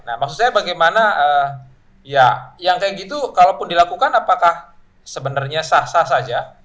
nah maksud saya bagaimana ya yang kayak gitu kalaupun dilakukan apakah sebenarnya sah sah saja